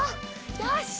よし！